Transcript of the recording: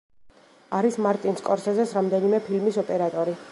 არის მარტინ სკორსეზეს რამდენიმე ფილმის ოპერატორი.